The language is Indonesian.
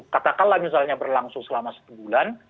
katakanlah misalnya berlangsung selama satu bulan